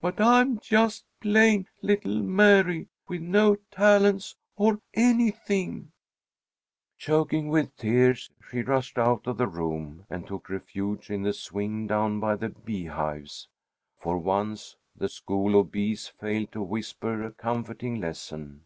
But I'm just plain 'little Mary,' with no talents or anything!" Choking with tears, she rushed out of the room, and took refuge in the swing down by the beehives. For once the "School of the Bees" failed to whisper a comforting lesson.